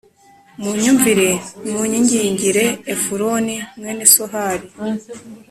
munyumvire munyingingire Efuroni mwene Sohari